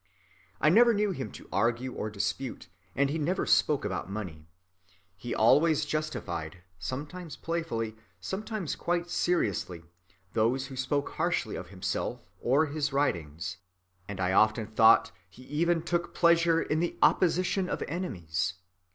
I never knew him to argue or dispute, and he never spoke about money. He always justified, sometimes playfully, sometimes quite seriously, those who spoke harshly of himself or his writings, and I often thought he even took pleasure in the opposition of enemies.